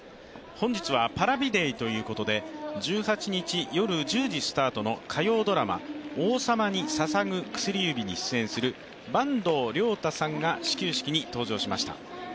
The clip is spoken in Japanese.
本日はＰａｒａｖｉデーということで、１８日夜１０時スタートの火曜ドラマ「王様に捧ぐ薬指」に出演する坂東龍汰さんが始球式に登場しました。